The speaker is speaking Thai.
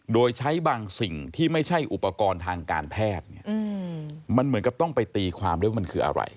โดยใช้บางสิ่งที่ไม่ใช่อุปกรณ์ทางการแพทย์มันเหมือนกับต้องไปตีความด้วยว่ามันคืออะไร